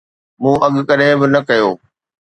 مون اڳ ڪڏهن به نه ڪيو